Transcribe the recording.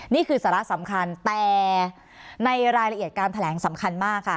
นี่คือสาระสำคัญแต่ในรายละเอียดการแถลงสำคัญมากค่ะ